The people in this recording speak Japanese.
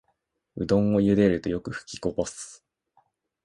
うどんをゆでるとよくふきこぼす